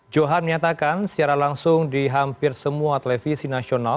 johan menyatakan secara langsung di hampir semua televisi nasional